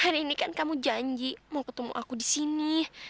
hari ini kan kamu janji mau ketemu aku di sini